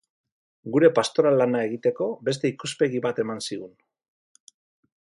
Gure pastoral lana egiteko beste ikuspegi bat eman zigun.